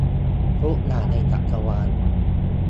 ทุกอย่างในจักรวาล